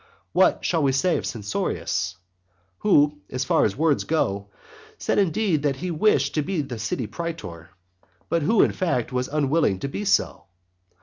What shall we say of Censorinus? who, as far as words go, said indeed that he wished to be the city praetor, but who, in fact, was unwilling to be so?